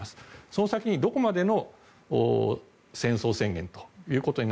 その先にどこまでの戦争宣言ということに